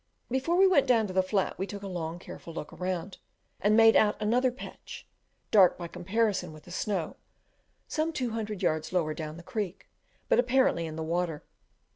Before we went down to the flat we took a long, careful look round, and made out another patch, dark by comparison with the snow, some two hundred yards lower down the creek, but apparently in the water.